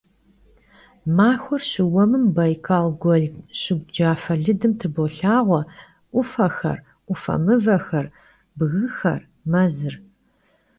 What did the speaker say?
Maxuer şıuemım Baykal guel şıgu cafe lıdım tıbolhağue 'Ufexer, 'Ufe mıvexer, bgıxer, mezır.